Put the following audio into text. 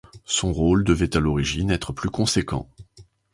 Son rôle devait à l'origine être plus conséquent.